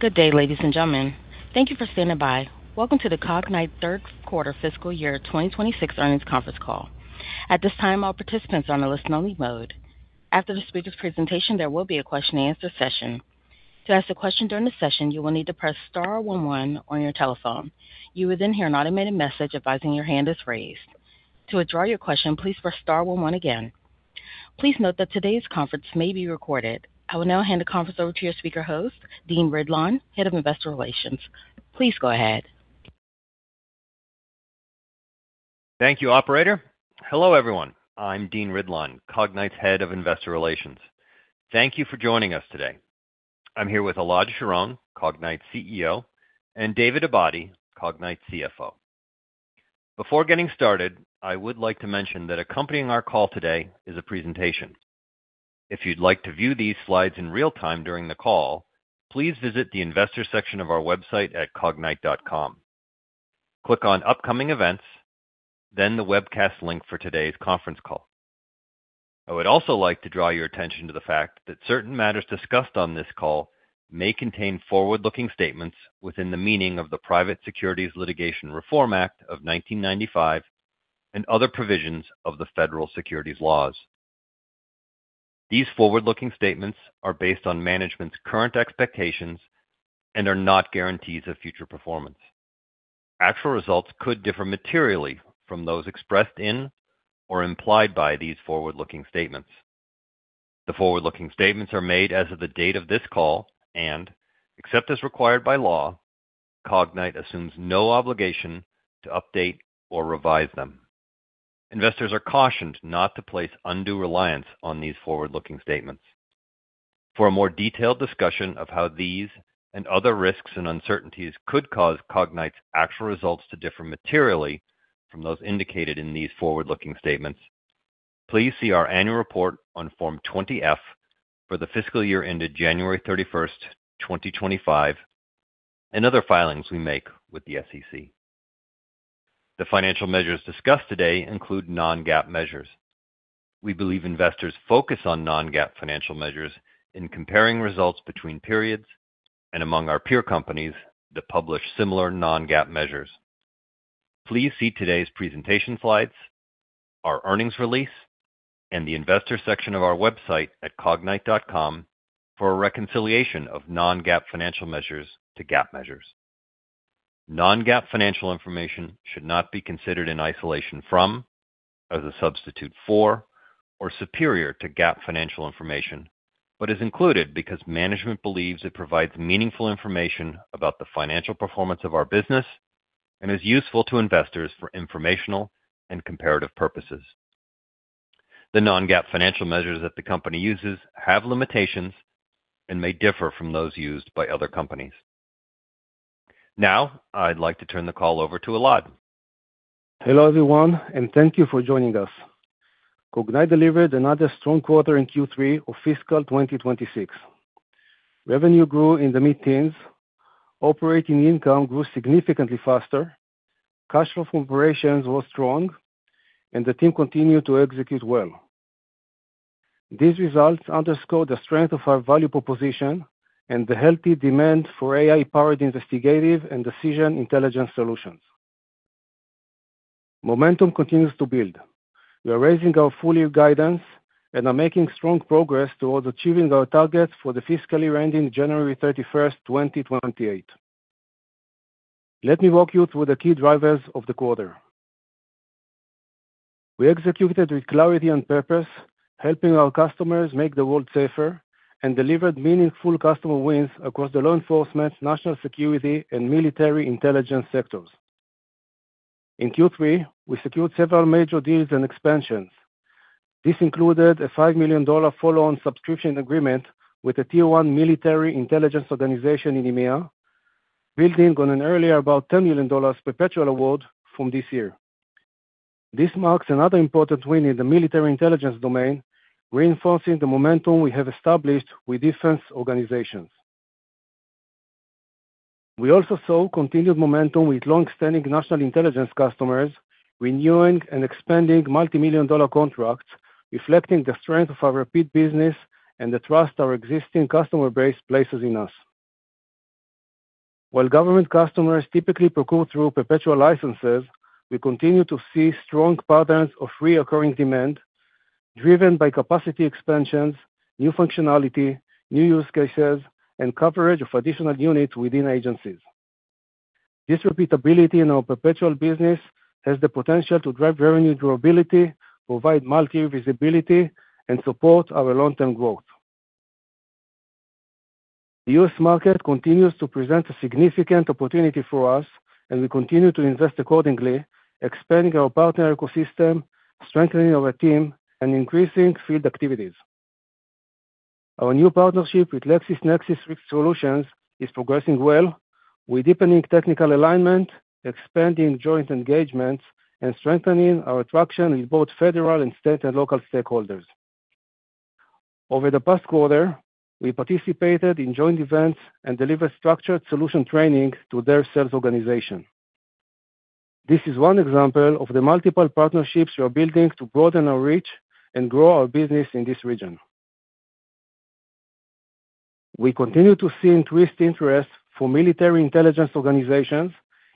Good day, ladies and gentlemen. Thank you for standing by. Welcome to the Cognyte Quarter Fiscal Year 2026 Earnings Conference Call. At this time, all participants are on a listen-only mode. After the speaker's presentation, there will be a question-and-answer session. To ask a question during the session, you will need to press star one one on your telephone. You will then hear an automated message advising your hand is raised. To withdraw your question, please press star one one again. Please note that today's conference may be recorded. I will now hand the conference over to your speaker host, Dean Ridlon, Head of Investor Relations. Please go ahead. Thank you, Operator. Hello, everyone. I'm Dean Ridlon, Cognyte's Head of Investor Relations. Thank you for joining us today. I'm here with Elad Sharon, Cognyte CEO, and David Abadi, Cognyte CFO. Before getting started, I would like to mention that accompanying our call today is a presentation. If you'd like to view these slides in real time during the call, please visit the investor section of our website at Cognyte.com. Click on Upcoming Events, then the webcast link for today's conference call. I would also like to draw your attention to the fact that certain matters discussed on this call may contain forward-looking statements within the meaning of the Private Securities Litigation Reform Act of 1995 and other provisions of the federal securities laws. These forward-looking statements are based on management's current expectations and are not guarantees of future performance. Actual results could differ materially from those expressed in or implied by these forward-looking statements. The forward-looking statements are made as of the date of this call and, except as required by law, Cognyte assumes no obligation to update or revise them. Investors are cautioned not to place undue reliance on these forward-looking statements. For a more detailed discussion of how these and other risks and uncertainties could cause Cognyte's actual results to differ materially from those indicated in these forward-looking statements, please see our annual report on Form 20-F for the fiscal year ended January 31st, 2025, and other filings we make with the SEC. The financial measures discussed today include Non-GAAP measures. We believe investors focus on Non-GAAP financial measures in comparing results between periods and among our peer companies that publish similar Non-GAAP measures. Please see today's presentation slides, our earnings release, and the investor section of our website at Cognyte.com for a reconciliation of Non-GAAP financial measures to GAAP measures. Non-GAAP financial information should not be considered in isolation from, as a substitute for, or superior to GAAP financial information, but is included because management believes it provides meaningful information about the financial performance of our business and is useful to investors for informational and comparative purposes. The Non-GAAP financial measures that the company uses have limitations and may differ from those used by other companies. Now, I'd like to turn the call over to Elad. Hello, everyone, and thank you for joining us. Cognyte delivered another strong quarter in Q3 of fiscal 2026. Revenue grew in the mid-teens, operating income grew significantly faster, cash flow from operations was strong, and the team continued to execute well. These results underscored the strength of our value proposition and the healthy demand for AI-powered investigative and decision intelligence solutions. Momentum continues to build. We are raising our full-year guidance and are making strong progress towards achieving our targets for the fiscal year ending January 31st, 2028. Let me walk you through the key drivers of the quarter. We executed with clarity and purpose, helping our customers make the world safer and delivered meaningful customer wins across the law enforcement, national security, and military intelligence sectors. In Q3, we secured several major deals and expansions. This included a $5 million follow-on subscription agreement with a tier-one military intelligence organization in EMEA, building on an earlier about $10 million perpetual award from this year. This marks another important win in the military intelligence domain, reinforcing the momentum we have established with defense organizations. We also saw continued momentum with long-standing national intelligence customers, renewing and expanding multi-million dollar contracts, reflecting the strength of our repeat business and the trust our existing customer base places in us. While government customers typically procure through perpetual licenses, we continue to see strong patterns of recurring demand driven by capacity expansions, new functionality, new use cases, and coverage of additional units within agencies. This repeatability in our perpetual business has the potential to drive revenue durability, provide multi-year visibility, and support our long-term growth. The U.S. market continues to present a significant opportunity for us, and we continue to invest accordingly, expanding our partner ecosystem, strengthening our team, and increasing field activities. Our new partnership with LexisNexis Risk Solutions is progressing well with deepening technical alignment, expanding joint engagements, and strengthening our traction with both federal and state and local stakeholders. Over the past quarter, we participated in joint events and delivered structured solution training to their sales organization. This is one example of the multiple partnerships we are building to broaden our reach and grow our business in this region. We continue to see increased interest for military intelligence organizations,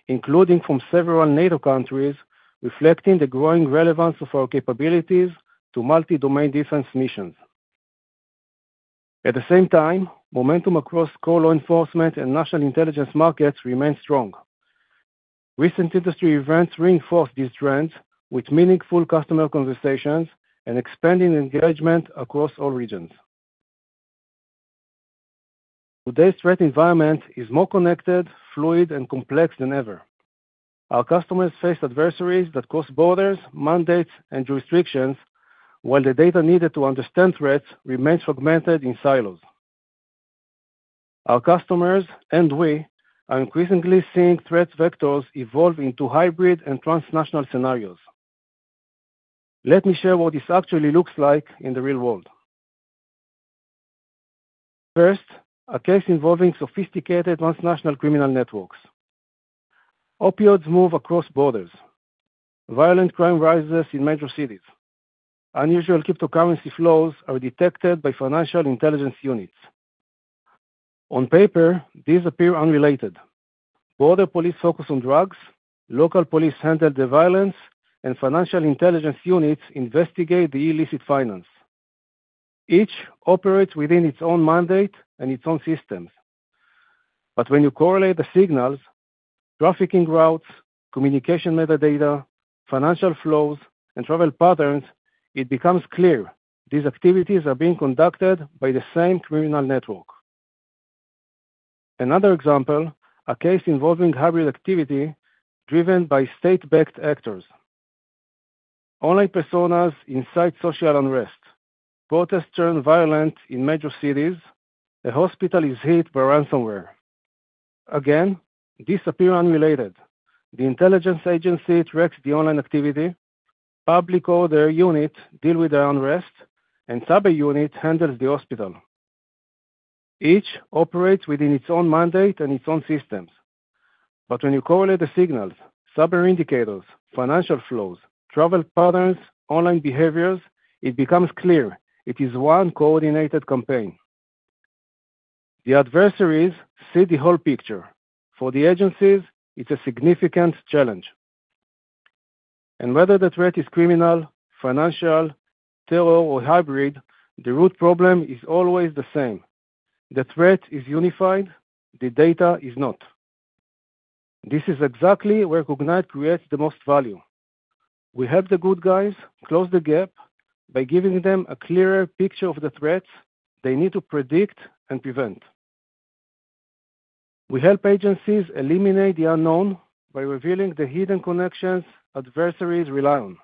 including from several NATO countries, reflecting the growing relevance of our capabilities to multi-domain defense missions. At the same time, momentum across core law enforcement and national intelligence markets remains strong. Recent industry events reinforce these trends with meaningful customer conversations and expanding engagement across all regions. Today's threat environment is more connected, fluid, and complex than ever. Our customers face adversaries that cross borders, mandates, and jurisdictions, while the data needed to understand threats remains fragmented in silos. Our customers, and we, are increasingly seeing threat vectors evolve into hybrid and transnational scenarios. Let me share what this actually looks like in the real world. First, a case involving sophisticated transnational criminal networks. Opiates move across borders. Violent crime rises in major cities. Unusual cryptocurrency flows are detected by financial intelligence units. On paper, these appear unrelated. Border police focus on drugs. Local police handle the violence, and financial intelligence units investigate the illicit finance. Each operates within its own mandate and its own systems. But when you correlate the signals, trafficking routes, communication metadata, financial flows, and travel patterns, it becomes clear these activities are being conducted by the same criminal network. Another example, a case involving hybrid activity driven by state-backed actors. Online personas incite social unrest. Protests turn violent in major cities. A hospital is hit by ransomware. Again, these appear unrelated. The intelligence agency tracks the online activity. Public order units deal with the unrest, and cyber units handle the hospital. Each operates within its own mandate and its own systems. But when you correlate the signals, cyber indicators, financial flows, travel patterns, online behaviors, it becomes clear it is one coordinated campaign. The adversaries see the whole picture. For the agencies, it's a significant challenge. And whether the threat is criminal, financial, terror, or hybrid, the root problem is always the same. The threat is unified. The data is not. This is exactly where Cognyte creates the most value. We help the good guys close the gap by giving them a clearer picture of the threats they need to predict and prevent. We help agencies eliminate the unknown by revealing the hidden connections adversaries rely on.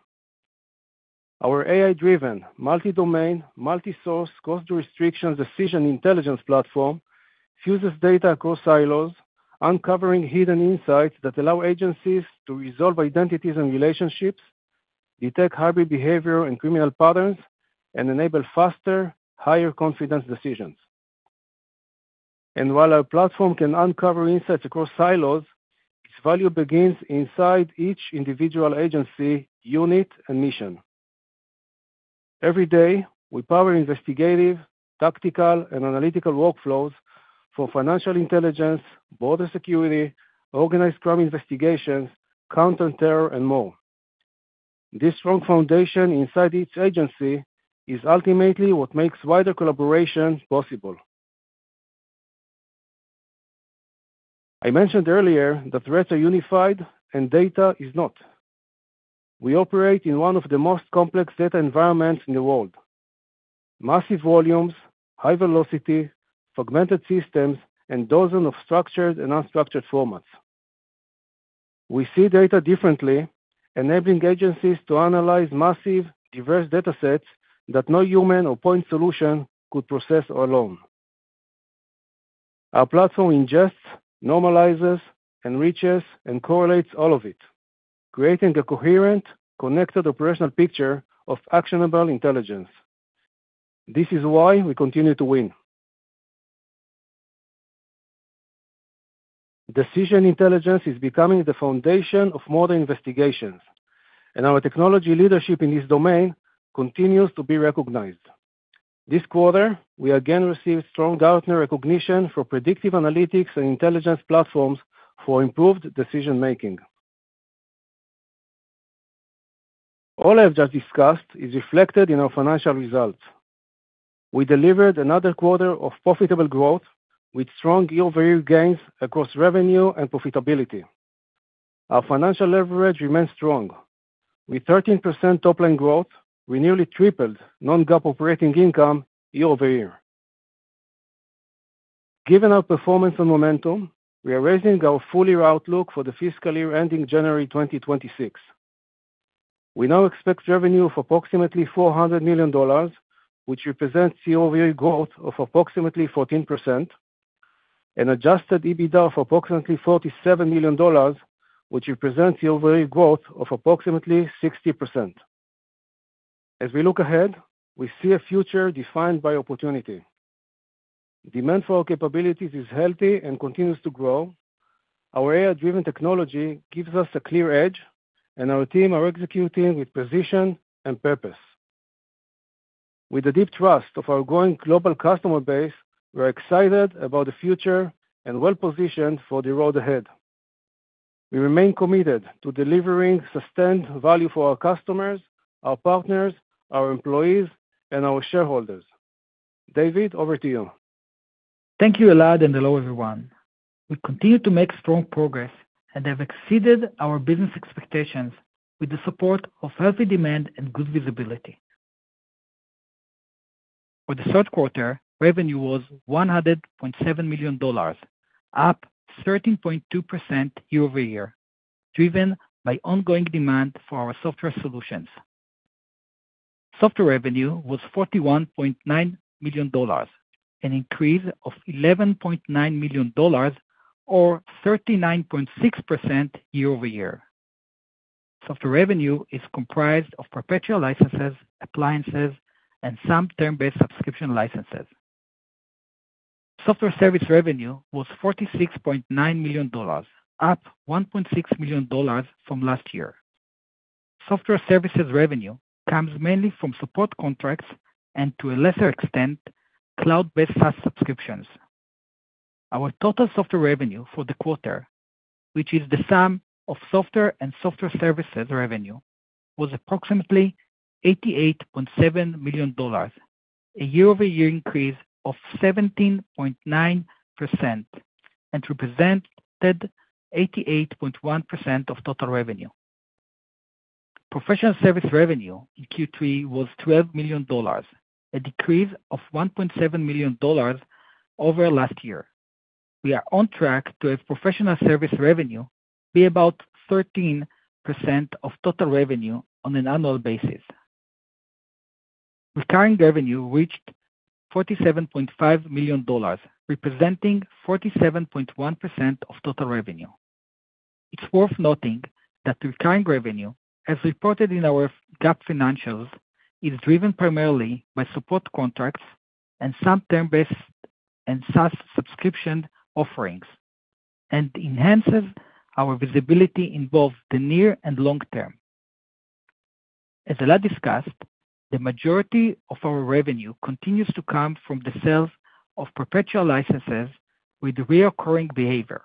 Our AI-driven, multi-domain, multi-source, cross-jurisdiction decision intelligence platform fuses data across silos, uncovering hidden insights that allow agencies to resolve identities and relationships, detect hybrid behavior and criminal patterns, and enable faster, higher confidence decisions. While our platform can uncover insights across silos, its value begins inside each individual agency, unit, and mission. Every day, we power investigative, tactical, and analytical workflows for financial intelligence, border security, organized crime investigations, counter-terror, and more. This strong foundation inside each agency is ultimately what makes wider collaboration possible. I mentioned earlier that threats are unified and data is not. We operate in one of the most complex data environments in the world: massive volumes, high velocity, fragmented systems, and dozens of structured and unstructured formats. We see data differently, enabling agencies to analyze massive, diverse data sets that no human or point solution could process alone. Our platform ingests, normalizes, enriches, and correlates all of it, creating a coherent, connected operational picture of actionable intelligence. This is why we continue to win. Decision intelligence is becoming the foundation of modern investigations, and our technology leadership in this domain continues to be recognized. This quarter, we again received strong Gartner recognition for predictive analytics and intelligence platforms for improved decision-making. All I have just discussed is reflected in our financial results. We delivered another quarter of profitable growth with strong year-over-year gains across revenue and profitability. Our financial leverage remains strong. With 13% top-line growth, we nearly tripled Non-GAAP operating income year-over-year. Given our performance and momentum, we are raising our full-year outlook for the fiscal year ending January 2026. We now expect revenue of approximately $400 million, which represents year-over-year growth of approximately 14%, and Adjusted EBITDA of approximately $47 million, which represents year-over-year growth of approximately 60%. As we look ahead, we see a future defined by opportunity. Demand for our capabilities is healthy and continues to grow. Our AI-driven technology gives us a clear edge, and our team is executing with precision and purpose. With the deep trust of our growing global customer base, we are excited about the future and well-positioned for the road ahead. We remain committed to delivering sustained value for our customers, our partners, our employees, and our shareholders. David, over to you. Thank you, Elad, and hello, everyone. We continue to make strong progress and have exceeded our business expectations with the support of healthy demand and good visibility. For the third quarter, revenue was $100.7 million, up 13.2% year-over-year, driven by ongoing demand for our software solutions. Software revenue was $41.9 million, an increase of $11.9 million, or 39.6% year-over-year. Software revenue is comprised of perpetual licenses, appliances, and some term-based subscription licenses. Software services revenue was $46.9 million, up $1.6 million from last year. Software services revenue comes mainly from support contracts and, to a lesser extent, cloud-based SaaS subscriptions. Our total software revenue for the quarter, which is the sum of software and software services revenue, was approximately $88.7 million, a year-over-year increase of 17.9% and to present 88.1% of total revenue. Professional services revenue in Q3 was $12 million, a decrease of $1.7 million over last year. We are on track to have professional service revenue be about 13% of total revenue on an annual basis. Recurring revenue reached $47.5 million, representing 47.1% of total revenue. It's worth noting that recurring revenue, as reported in our GAAP financials, is driven primarily by support contracts and some term-based and SaaS subscription offerings and enhances our visibility in both the near and long term. As Elad discussed, the majority of our revenue continues to come from the sales of perpetual licenses with recurring behavior.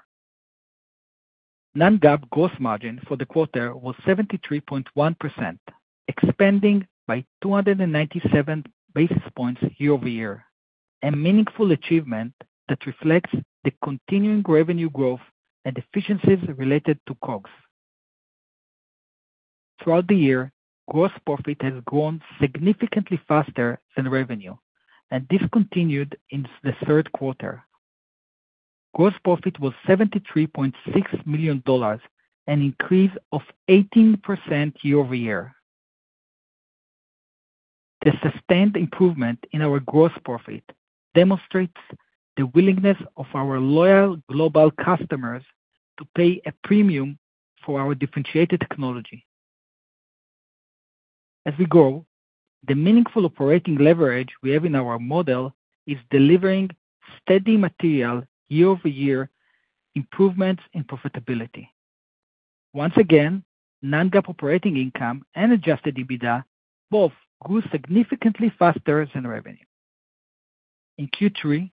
Non-GAAP gross margin for the quarter was 73.1%, expanding by 297 basis points year-over-year, a meaningful achievement that reflects the continuing revenue growth and efficiencies related to COGS. Throughout the year, gross profit has grown significantly faster than revenue, and this continued in the third quarter. Gross profit was $73.6 million and an increase of 18% year-over-year. The sustained improvement in our gross profit demonstrates the willingness of our loyal global customers to pay a premium for our differentiated technology. As we grow, the meaningful operating leverage we have in our model is delivering steady material year-over-year improvements in profitability. Once again, Non-GAAP operating income and Adjusted EBITDA both grew significantly faster than revenue. In Q3,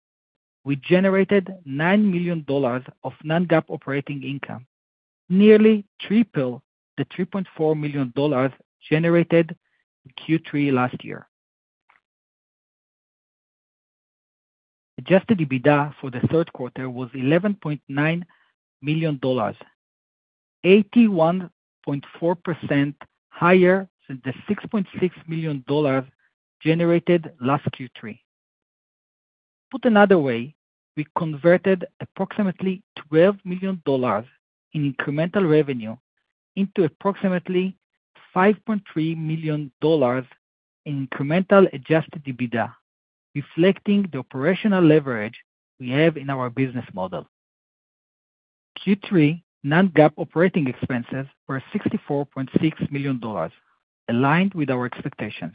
we generated $9 million of Non-GAAP operating income, nearly triple the $3.4 million generated in Q3 last year. Adjusted EBITDA for the third quarter was $11.9 million, 81.4% higher than the $6.6 million generated last Q3. Put another way, we converted approximately $12 million in incremental revenue into approximately $5.3 million in incremental Adjusted EBITDA, reflecting the operational leverage we have in our business model. Q3 Non-GAAP operating expenses were $64.6 million, aligned with our expectations.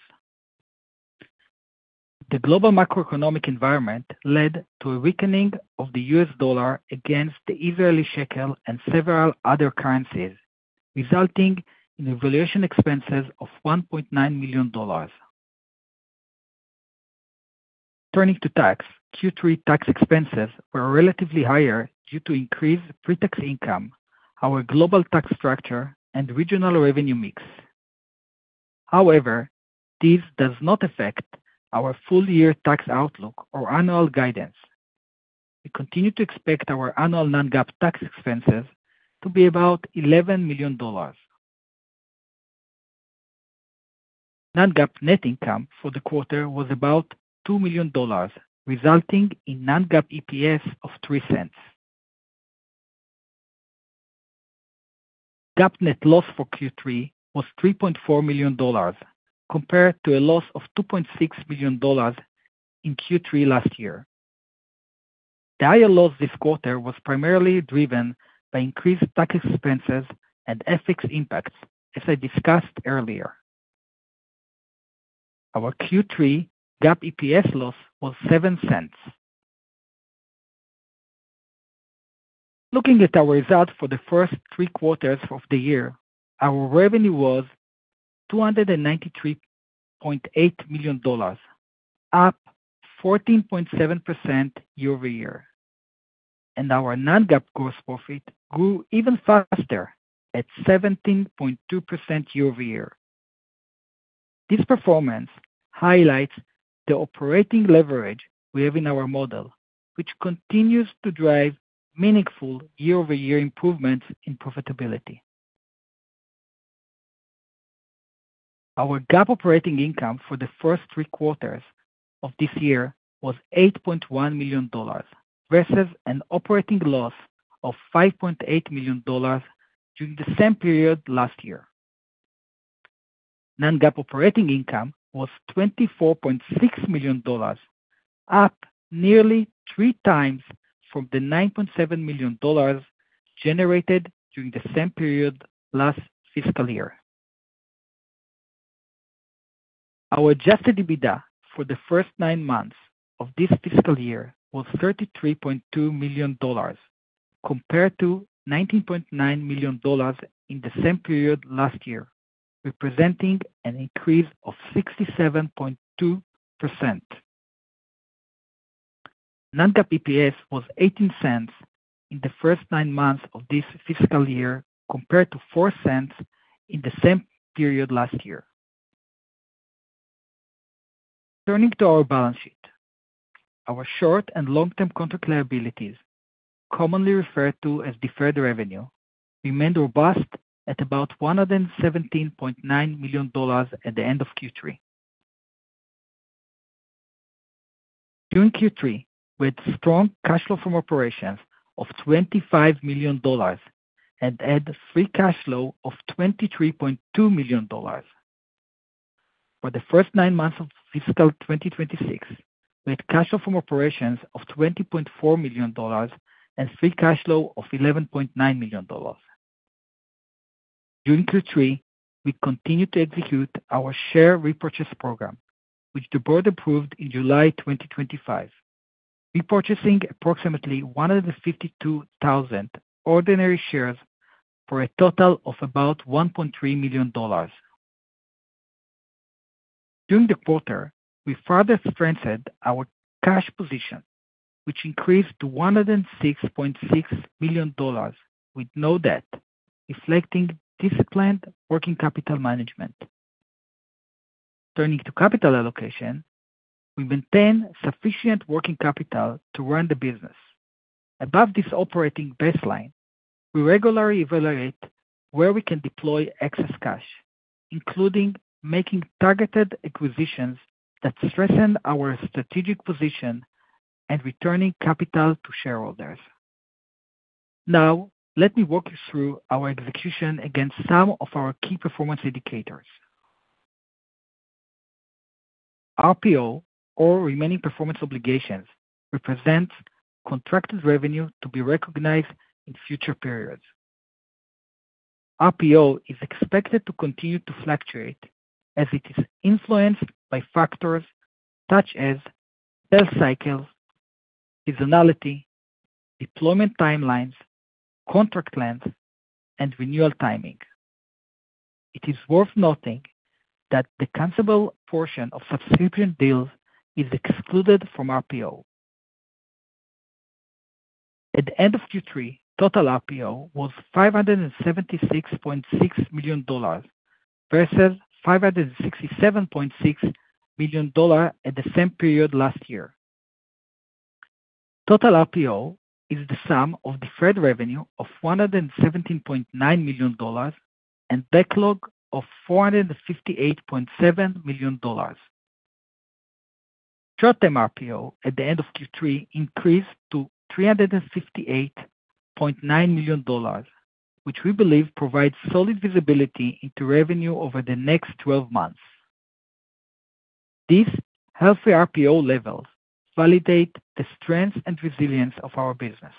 The global macroeconomic environment led to a weakening of the U.S. dollar against the Israeli shekel and several other currencies, resulting in valuation expenses of $1.9 million. Returning to tax, Q3 tax expenses were relatively higher due to increased pre-tax income, our global tax structure, and regional revenue mix. However, this does not affect our full-year tax outlook or annual guidance. We continue to expect our annual Non-GAAP tax expenses to be about $11 million. Non-GAAP net income for the quarter was about $2 million, resulting in Non-GAAP EPS of $0.03. GAAP net loss for Q3 was $3.4 million, compared to a loss of $2.6 million in Q3 last year. The higher loss this quarter was primarily driven by increased tax expenses and FX impacts, as I discussed earlier. Our Q3 GAAP EPS loss was $0.07. Looking at our result for the first three quarters of the year, our revenue was $293.8 million, up 14.7% year-over-year. Our Non-GAAP gross profit grew even faster at 17.2% year-over-year. This performance highlights the operating leverage we have in our model, which continues to drive meaningful year-over-year improvements in profitability. Our GAAP operating income for the first three quarters of this year was $8.1 million versus an operating loss of $5.8 million during the same period last year. Non-GAAP operating income was $24.6 million, up nearly three times from the $9.7 million generated during the same period last fiscal year. Our Adjusted EBITDA for the first nine months of this fiscal year was $33.2 million, compared to $19.9 million in the same period last year, representing an increase of 67.2%. Non-GAAP EPS was $0.18 in the first nine months of this fiscal year, compared to $0.04 in the same period last year. Turning to our balance sheet, our short and long-term contract liabilities, commonly referred to as deferred revenue, remained robust at about $117.9 million at the end of Q3. During Q3, we had strong cash flow from operations of $25 million and had free cash flow of $23.2 million. For the first nine months of fiscal 2026, we had cash flow from operations of $20.4 million and free cash flow of $11.9 million. During Q3, we continued to execute our share repurchase program, which the board approved in July 2025, repurchasing approximately 152,000 ordinary shares for a total of about $1.3 million. During the quarter, we further strengthened our cash position, which increased to $106.6 million with no debt, reflecting disciplined working capital management. Turning to capital allocation, we maintain sufficient working capital to run the business. Above this operating baseline, we regularly evaluate where we can deploy excess cash, including making targeted acquisitions that strengthen our strategic position and returning capital to shareholders. Now, let me walk you through our execution against some of our key performance indicators. RPO, or remaining performance obligations, represents the contracted revenue to be recognized in future periods. RPO is expected to continue to fluctuate as it is influenced by factors such as sales cycles, seasonality, deployment timelines, contract length, and renewal timing. It is worth noting that the consumable portion of subscription deals is excluded from RPO. At the end of Q3, total RPO was $576.6 million versus $567.6 million at the same period last year. Total RPO is the sum of deferred revenue of $117.9 million and backlog of $458.7 million. Short-term RPO at the end of Q3 increased to $358.9 million, which we believe provides solid visibility into revenue over the next 12 months. These healthy RPO levels validate the strength and resilience of our business.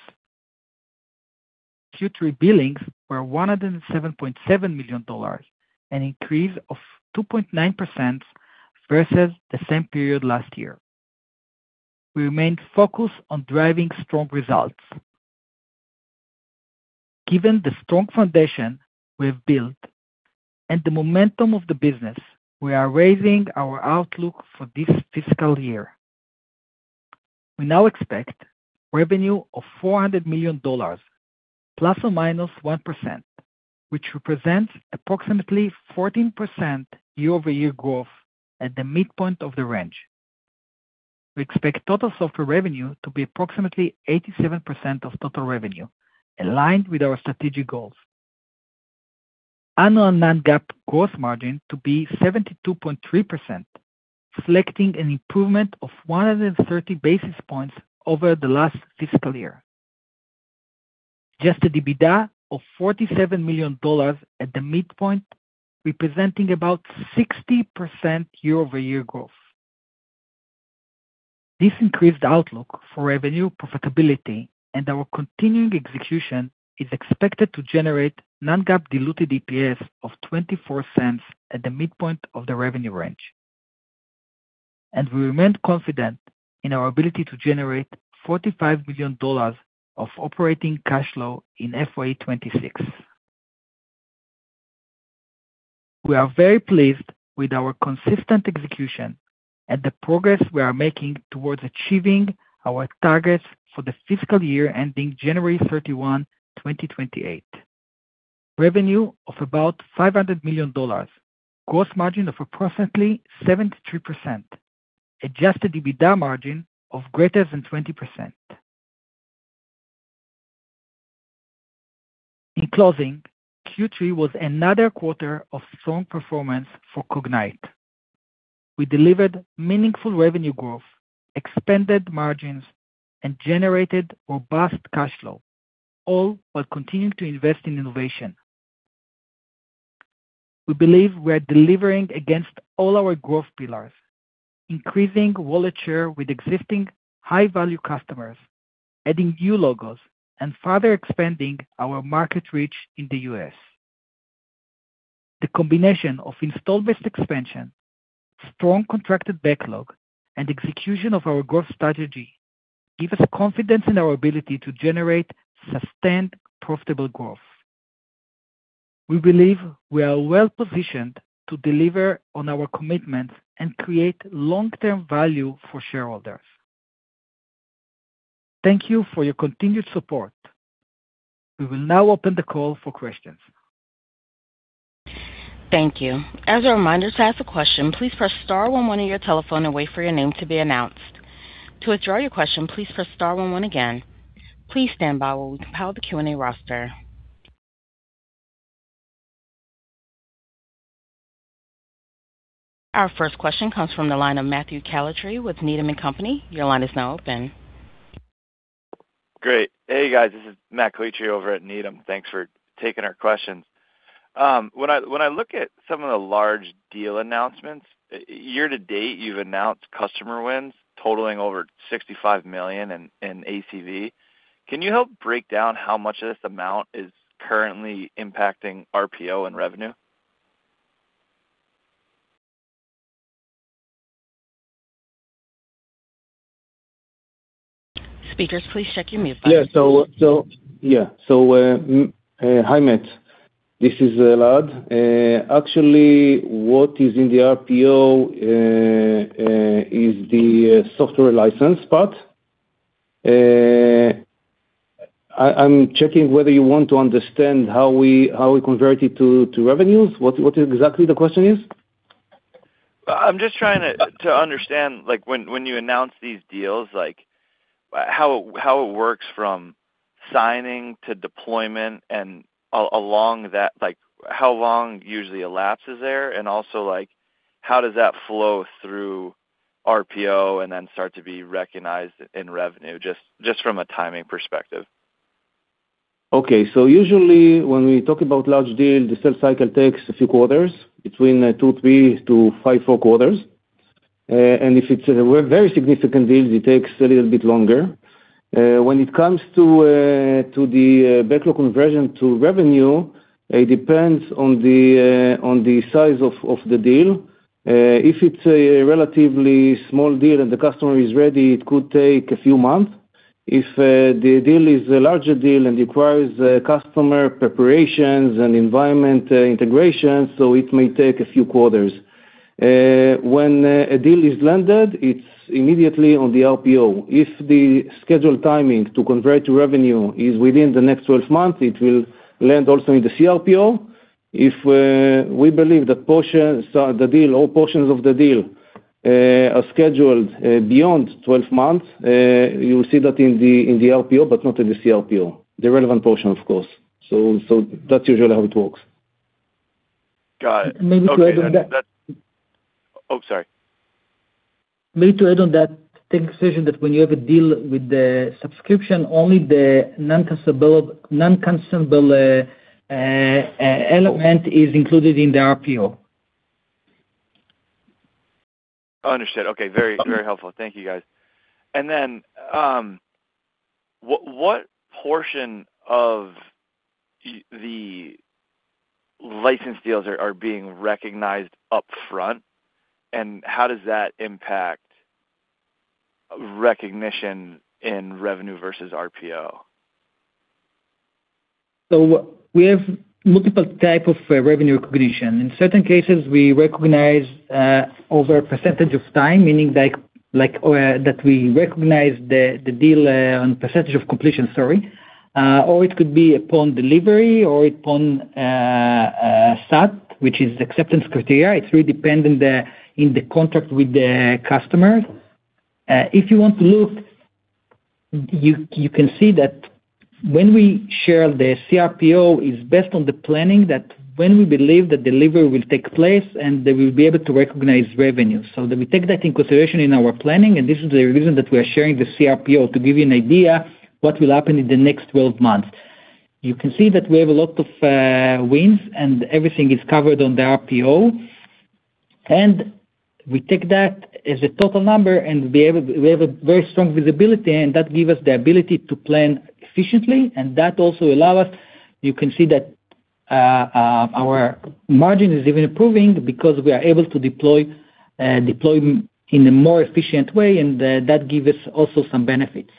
Q3 billings were $107.7 million and an increase of 2.9% versus the same period last year. We remain focused on driving strong results. Given the strong foundation we have built and the momentum of the business, we are raising our outlook for this fiscal year. We now expect revenue of $400 million, plus or minus 1%, which represents approximately 14% year-over-year growth at the midpoint of the range. We expect total software revenue to be approximately 87% of total revenue, aligned with our strategic goals. Annual Non-GAAP gross margin to be 72.3%, reflecting an improvement of 130 basis points over the last fiscal year. Adjusted EBITDA of $47 million at the midpoint, representing about 60% year-over-year growth. This increased outlook for revenue profitability and our continuing execution is expected to generate Non-GAAP diluted EPS of $0.24 at the midpoint of the revenue range. And we remain confident in our ability to generate $45 million of operating cash flow in FY26. We are very pleased with our consistent execution and the progress we are making towards achieving our targets for the fiscal year ending January 31, 2028. Revenue of about $500 million, gross margin of approximately 73%, Adjusted EBITDA margin of greater than 20%. In closing, Q3 was another quarter of strong performance for Cognyte. We delivered meaningful revenue growth, expanded margins, and generated robust cash flow, all while continuing to invest in innovation. We believe we are delivering against all our growth pillars, increasing wallet share with existing high-value customers, adding new logos, and further expanding our market reach in the U.S. The combination of installed-base expansion, strong contracted backlog, and execution of our growth strategy gives us confidence in our ability to generate sustained profitable growth. We believe we are well-positioned to deliver on our commitments and create long-term value for shareholders. Thank you for your continued support. We will now open the call for questions. Thank you. As a reminder, to ask a question, please press star one one on your telephone and wait for your name to be announced. To withdraw your question, please press star one one again. Please stand by while we compile the Q&A roster. Our first question comes from the line of Matthew Calitri with Needham & Company. Your line is now open. Great. Hey, guys. This is Matt Calitri over at Needham. Thanks for taking our questions. When I look at some of the large deal announcements, year to date, you've announced customer wins totaling over $65 million in ACV. Can you help break down how much of this amount is currently impacting RPO and revenue? Speakers, please check your mute buttons. Hi, Matt. This is Elad. Actually, what is in the RPO is the software license part. I'm checking whether you want to understand how we convert it to revenues, what exactly the question is. I'm just trying to understand when you announce these deals, how it works from signing to deployment and along that, how long usually elapses there, and also how does that flow through RPO and then start to be recognized in revenue just from a timing perspective? Okay, so usually, when we talk about large deals, the sales cycle takes a few quarters, between two, three, to five, four quarters, and if it's a very significant deal, it takes a little bit longer. When it comes to the backlog conversion to revenue, it depends on the size of the deal. If it's a relatively small deal and the customer is ready, it could take a few months. If the deal is a larger deal and requires customer preparations and environment integration, so it may take a few quarters. When a deal is landed, it's immediately on the RPO. If the scheduled timing to convert to revenue is within the next 12 months, it will land also in the CRPO. If we believe that the deal or portions of the deal are scheduled beyond 12 months, you will see that in the RPO but not in the CRPO, the relevant portion, of course. So that's usually how it works. Got it. Maybe to add on that. Oh, sorry. Maybe to add on that, take a decision that when you have a deal with the subscription, only the non-consumable element is included in the RPO. Understood. Okay. Very helpful. Thank you, guys, and then what portion of the license deals are being recognized upfront, and how does that impact recognition in revenue versus RPO? We have multiple types of revenue recognition. In certain cases, we recognize over a percentage of time, meaning that we recognize the deal on percentage of completion, sorry. Or it could be upon delivery or upon SAT, which is acceptance criteria. It really depends on the contract with the customer. If you want to look, you can see that when we share the CRPO, it's based on the planning that when we believe that delivery will take place and that we'll be able to recognize revenue. We take that into consideration in our planning, and this is the reason that we are sharing the CRPO to give you an idea of what will happen in the next 12 months. You can see that we have a lot of wins, and everything is covered on the RPO. We take that as a total number, and we have a very strong visibility, and that gives us the ability to plan efficiently. That also allows us. You can see that our margin is even improving because we are able to deploy in a more efficient way, and that gives us also some benefits.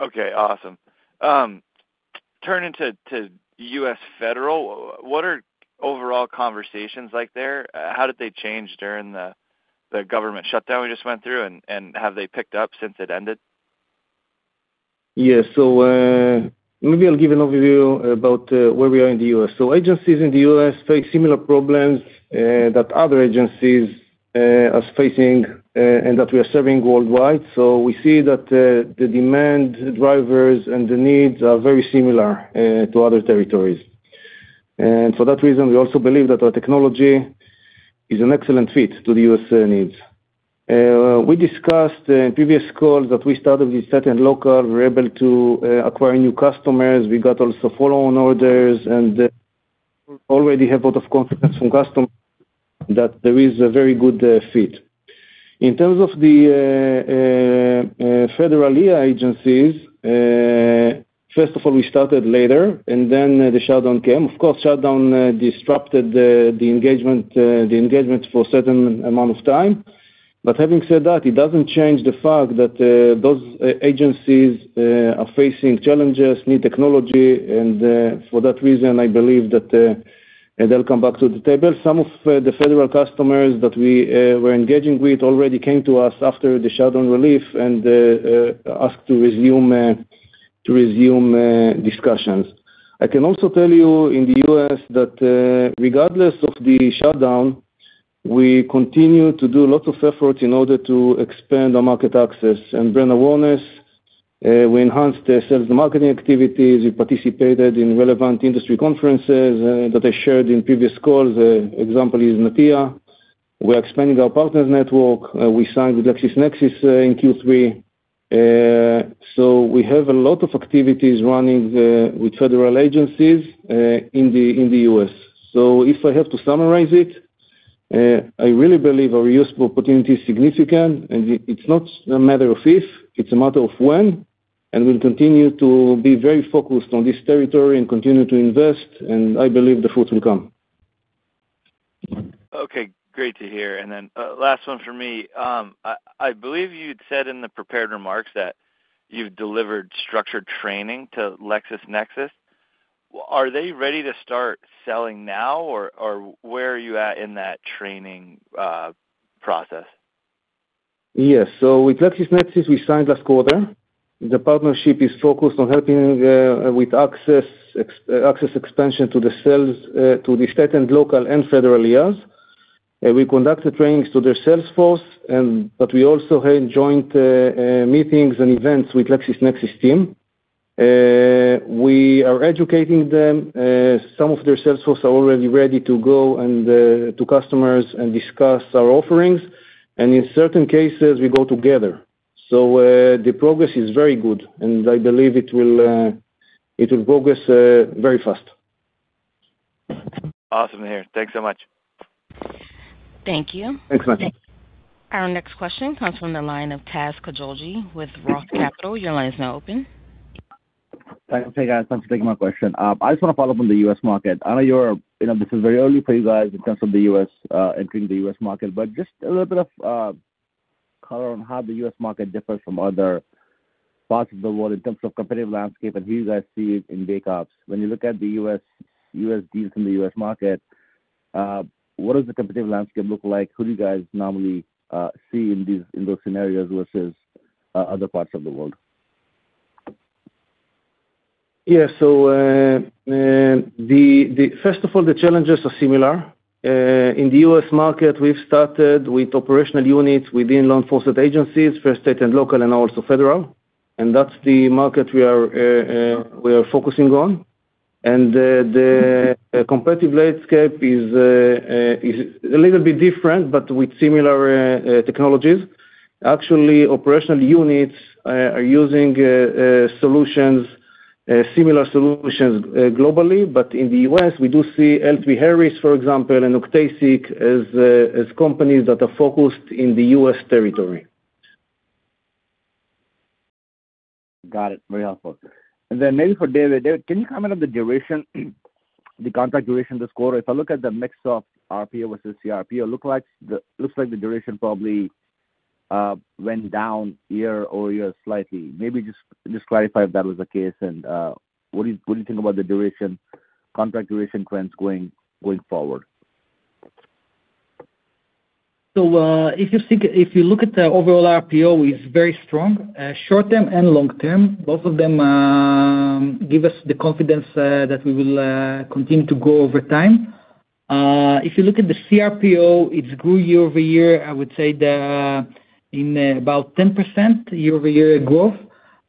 Okay. Awesome. Turning to U.S. Federal, what are overall conversations like there? How did they change during the government shutdown we just went through, and have they picked up since it ended? Yeah. So maybe I'll give an overview about where we are in the U.S. Agencies in the U.S. face similar problems that other agencies are facing and that we are serving worldwide. We see that the demand drivers and the needs are very similar to other territories. And for that reason, we also believe that our technology is an excellent fit to the U.S. needs. We discussed in previous calls that we started with state and locals. We were able to acquire new customers. We got also follow-on orders and already have a lot of confidence from customers that there is a very good fit. In terms of the federal LE agencies, first of all, we started later, and then the shutdown came. Of course, shutdown disrupted the engagement for a certain amount of time. But having said that, it doesn't change the fact that those agencies are facing challenges, new technology, and for that reason, I believe that they'll come back to the table. Some of the federal customers that we were engaging with already came to us after the shutdown relief and asked to resume discussions. I can also tell you in the U.S. that regardless of the shutdown, we continue to do lots of efforts in order to expand our market access and bring awareness. We enhanced sales and marketing activities. We participated in relevant industry conferences that I shared in previous calls. An example is NATO. We are expanding our partners' network. We signed with LexisNexis in Q3. We have a lot of activities running with federal agencies in the U.S. So if I have to summarize it, I really believe our upside opportunity is significant, and it's not a matter of if, it's a matter of when. We'll continue to be very focused on this territory and continue to invest, and I believe the fruits will come. Okay. Great to hear, and then last one for me. I believe you'd said in the prepared remarks that you've delivered structured training to LexisNexis. Are they ready to start selling now, or where are you at in that training process? Yes. So with LexisNexis, we signed last quarter. The partnership is focused on helping with access expansion to the state and local and federal LEs. We conducted trainings to their sales force, but we also had joint meetings and events with LexisNexis team. We are educating them. Some of their sales force are already ready to go to customers and discuss our offerings, and in certain cases, we go together, so the progress is very good, and I believe it will progress very fast. Awesome to hear. Thanks so much. Thank you. Thanks, Matt. Our next question comes from the line of Taz Koujalgi with Roth Capital. Your line is now open. Thanks, Elad. Thanks for taking my question. I just want to follow up on the U.S. market. I know this is very early for you guys in terms of the U.S. entering the U.S. market, but just a little bit of color on how the U.S. market differs from other parts of the world in terms of competitive landscape and who you guys see in bake-offs. When you look at the U.S. deals in the U.S. market, what does the competitive landscape look like? Who do you guys normally see in those scenarios versus other parts of the world? Yeah. First of all, the challenges are similar. In the U.S. market, we've started with operational units within law enforcement agencies, first state and local, and also federal, and that's the market we are focusing on, and the competitive landscape is a little bit different, but with similar technologies. Actually, operational units are using similar solutions globally, but in the U.S., we do see L3Harris, for example, and Octasic as companies that are focused in the U.S. territory. Got it. Very helpful. And then maybe for David. David, can you comment on the duration, the contract duration, this quarter? If I look at the mix of RPO versus CRPO, it looks like the duration probably went down year-over-year slightly. Maybe just clarify if that was the case, and what do you think about the contract duration trends going forward? If you look at the overall RPO, it's very strong, short-term and long-term. Both of them give us the confidence that we will continue to grow over time. If you look at the CRPO, it's grown year-over-year. I would say it's about 10% year-over-year growth,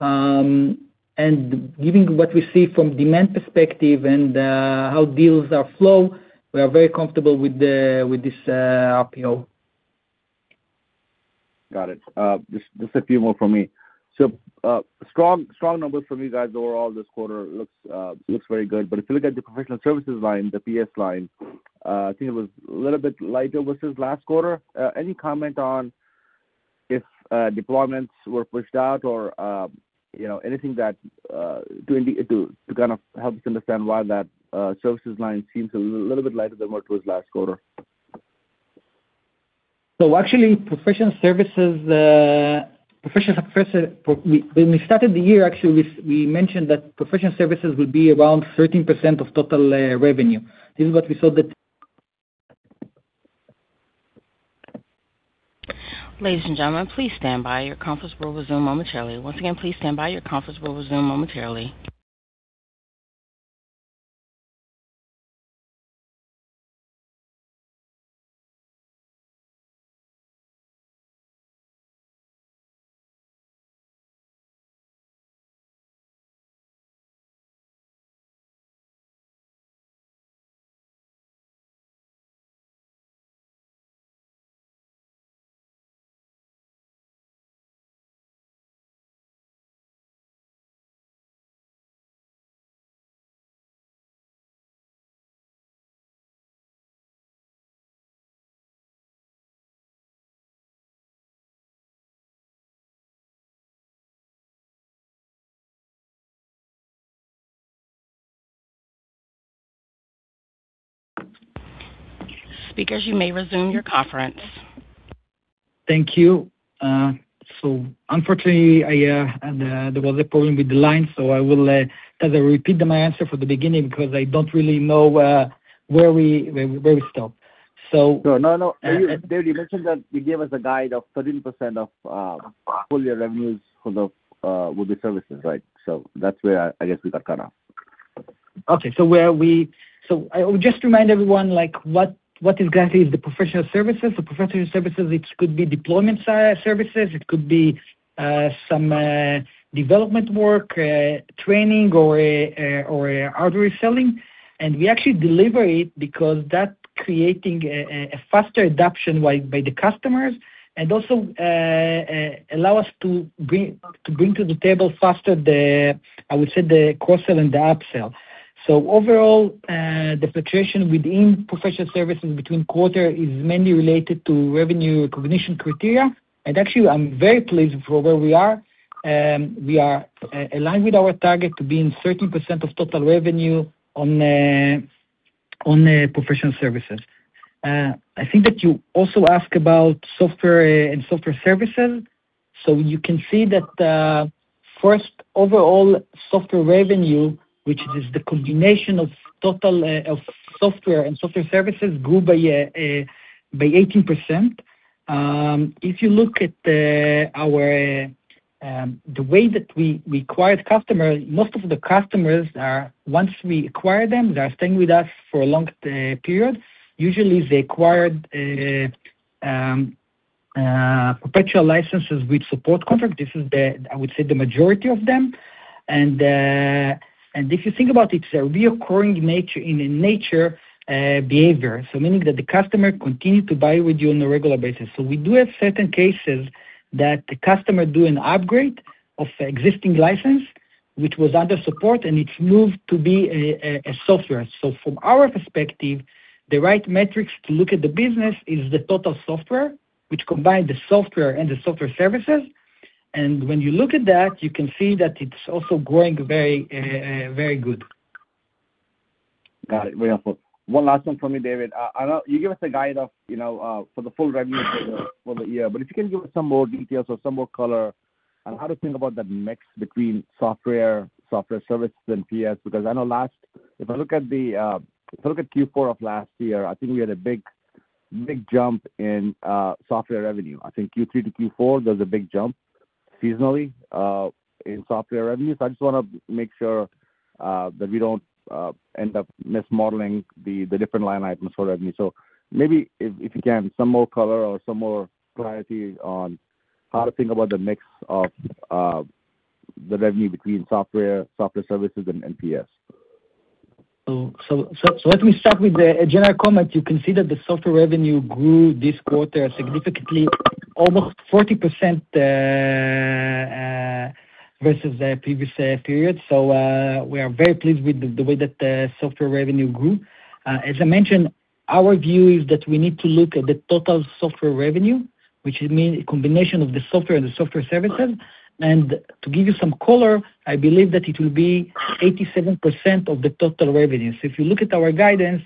and given what we see from demand perspective and how deals are closed, we are very comfortable with this RPO. Got it. Just a few more from me, so strong numbers from you guys overall this quarter looks very good, but if you look at the professional services line, the PS line, I think it was a little bit lighter versus last quarter. Any comment on if deployments were pushed out or anything to kind of help us understand why that services line seems a little bit lighter than what it was last quarter? Actually, professional services, when we started the year, actually, we mentioned that professional services would be around 13% of total revenue. This is what we saw that. Ladies and gentlemen, please stand by. Your conference will resume momentarily. Once again, please stand by. Your conference will resume momentarily. Speakers, you may resume your conference. Thank you, so unfortunately, there was a problem with the line, so I will repeat my answer from the beginning because I don't really know where we stopped. Sure. No, no. David, you mentioned that you gave us a guide of 13% of all your revenues would be services, right? That's where I guess we got cut off. Okay. I will just remind everyone, what is exactly the professional services? The professional services, it could be deployment services. It could be some development work, training, or outreach selling. We actually deliver it because that's creating a faster adoption by the customers and also allows us to bring to the table faster, I would say, the cross-sell and the upsell. Overall, the fluctuation within professional services between quarter is mainly related to revenue recognition criteria. And actually, I'm very pleased for where we are. We are aligned with our target to be in 13% of total revenue on professional services. I think that you also asked about software and software services. You can see that first, overall software revenue, which is the combination of software and software services, grew by 18%. If you look at the way that we acquired customers, most of the customers, once we acquired them, they are staying with us for a long period. Usually, they acquired perpetual licenses with support contracts. This is, I would say, the majority of them. And if you think about it, it's a recurring in nature behavior, so meaning that the customer continued to buy with you on a regular basis. We do have certain cases that the customer do an upgrade of existing license, which was under support, and it's moved to be a software. From our perspective, the right metrics to look at the business is the total software, which combines the software and the software services. And when you look at that, you can see that it's also growing very good. Got it. Very helpful. One last one for me, David. I know you gave us a guide for the full revenue for the year, but if you can give us some more details or some more color on how to think about that mix between software, software services, and PS, because I know last year, if I look at Q4 of last year, I think we had a big jump in software revenue. I think Q3 to Q4, there was a big jump seasonally in software revenue. I just want to make sure that we don't end up mismodeling the different line items for revenue. So maybe if you can, some more color or some more clarity on how to think about the mix of the revenue between software, software services, and PS. Let me start with a general comment. You can see that the software revenue grew this quarter significantly, almost 40% versus the previous period. We are very pleased with the way that the software revenue grew. As I mentioned, our view is that we need to look at the total software revenue, which means a combination of the software and the software services. To give you some color, I believe that it will be 87% of the total revenue. If you look at our guidance,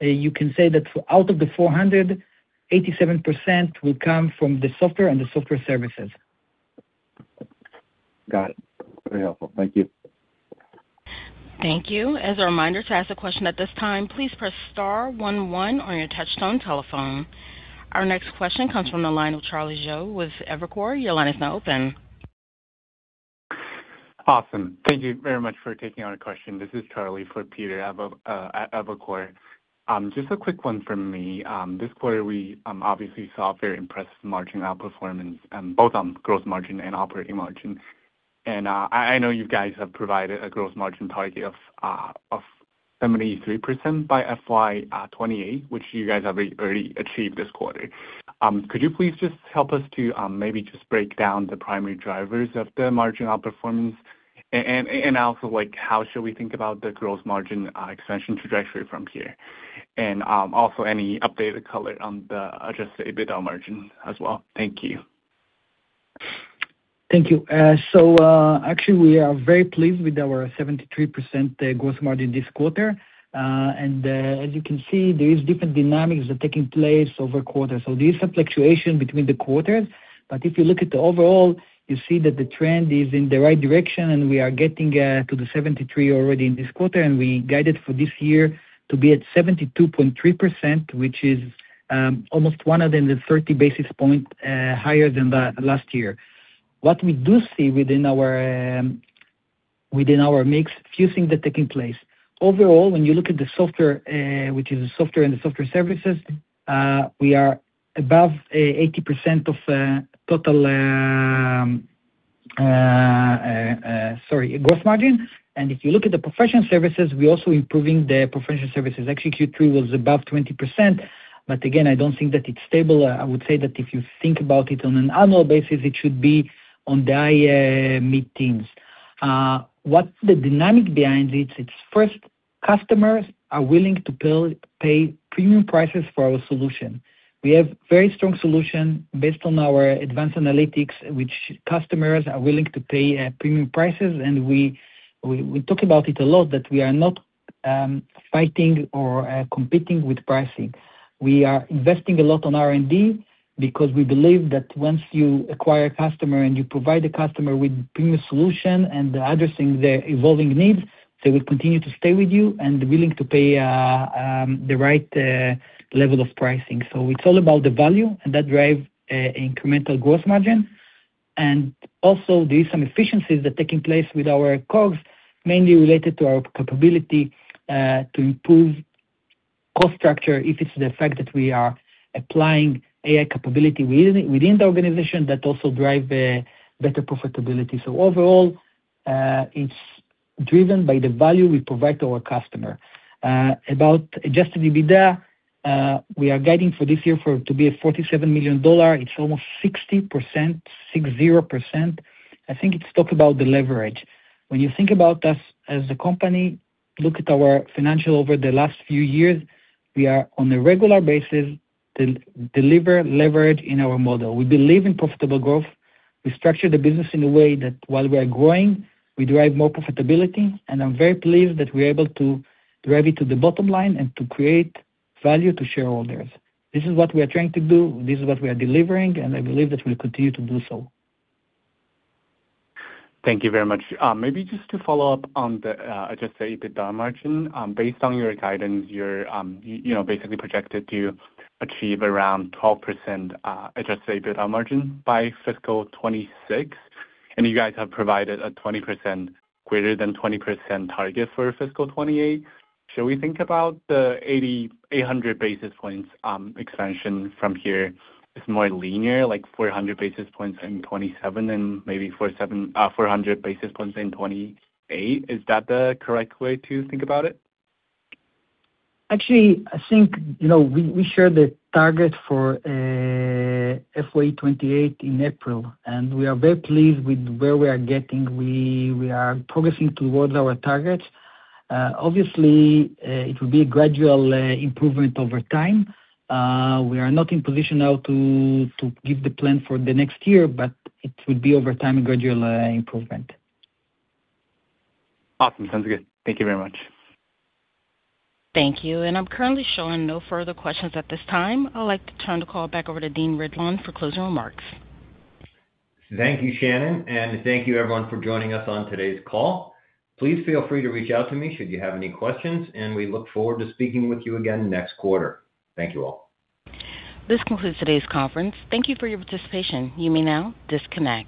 you can say that out of the $400, 87% will come from the software and the software services. Got it. Very helpful. Thank you. Thank you. As a reminder to ask the question at this time, please press star one one on your touch-tone telephone. Our next question comes from the line of Charlie Zhou with Evercore. Your line is now open. Awesome. Thank you very much for taking our question. This is Charlie Zhou for Peter at Evercore. Just a quick one from me. This quarter, we obviously saw very impressive margin out-performance, both on gross margin and operating margin. And I know you guys have provided a gross margin target of 73% by FY28, which you guys have already achieved this quarter. Could you please just help us to maybe just break down the primary drivers of the margin out-performance? And also, how should we think about the gross margin expansion trajectory from here? And also, any updated color on the Adjusted EBITDA margin as well? Thank you. Thank you. So actually, we are very pleased with our 73% gross margin this quarter. And as you can see, there are different dynamics that are taking place over quarters. There is some fluctuation between the quarters. But if you look at the overall, you see that the trend is in the right direction, and we are getting to the 73% already in this quarter. We guided for this year to be at 72.3%, which is almost 130 basis points higher than last year. What we do see within our mix, a few things that are taking place. Overall, when you look at the software, which is the software and the software services, we are above 80% of total gross margin. If you look at the professional services, we're also improving the professional services. Actually, Q3 was above 20%. But again, I don't think that it's stable. I would say that if you think about it on an annual basis, it should be in the high 80s. What's the dynamic behind it? It's first, customers are willing to pay premium prices for our solution. We have a very strong solution based on our advanced analytics, which customers are willing to pay premium prices. And we talk about it a lot that we are not fighting or competing with pricing. We are investing a lot on R&D because we believe that once you acquire a customer and you provide the customer with a premium solution and addressing their evolving needs, they will continue to stay with you and be willing to pay the right level of pricing, so it's all about the value, and that drives incremental gross margin. Also, there are some efficiencies that are taking place with our COGS, mainly related to our capability to improve cost structure in fact that we are applying AI capability within the organization that also drives better profitability. Overall, it's driven by the value we provide to our customer. About Adjusted EBITDA, we are guiding for this year to be at $47 million. It's almost 60%. I think it's talk about the leverage. When you think about us as a company, look at our financials over the last few years, we are on a regular basis to deliver leverage in our model. We believe in profitable growth. We structure the business in a way that while we are growing, we drive more profitability. I'm very pleased that we are able to drive it to the bottom line and to create value to shareholders. This is what we are trying to do. This is what we are delivering, and I believe that we'll continue to do so. Thank you very much. Maybe just to follow up on the Adjusted EBITDA margin, based on your guidance, you're basically projected to achieve around 12% Adjusted EBITDA margin by fiscal 2026. And you guys have provided a greater than 20% target for fiscal 2028. Should we think about the 800 basis points expansion from here? It's more linear, like 400 basis points in 2027 and maybe 400 basis points in 2028. Is that the correct way to think about it? Actually, I think we shared the target for FY 2028 in April, and we are very pleased with where we are getting. We are progressing towards our targets. Obviously, it will be a gradual improvement over time. We are not in position now to give the plan for the next year, but it will be over time a gradual improvement. Awesome. Sounds good. Thank you very much. Thank you. And I'm currently showing no further questions at this time. I'd like to turn the call back over to Dean Ridlon for closing remarks. Thank you, Shannon. And thank you, everyone, for joining us on today's call. Please feel free to reach out to me should you have any questions. And we look forward to speaking with you again next quarter. Thank you all. This concludes today's conference. Thank you for your participation. You may now disconnect.